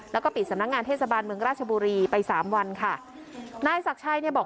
แล้วก็ปิดสำนักงานเทศบาลเมืองราชบุรีไปสามวันค่ะนายศักดิ์ชัยเนี่ยบอก